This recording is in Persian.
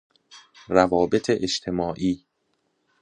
روابط اجتماعی